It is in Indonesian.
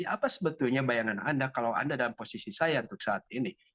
apa sebetulnya bayangan anda kalau anda dalam posisi saya untuk saat ini